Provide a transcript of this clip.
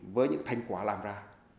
với những thành quả làm ra